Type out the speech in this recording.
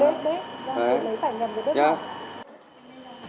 bếp bếp bếp đấy phải nhầm cái bếp này